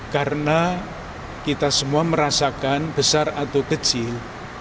karena kita semua merasakan besar atau kecil